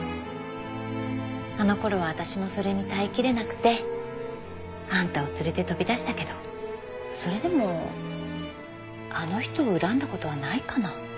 あの頃は私もそれに耐えきれなくてあんたを連れて飛び出したけどそれでもあの人を恨んだ事はないかな。